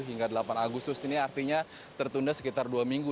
hingga delapan agustus ini artinya tertunda sekitar dua minggu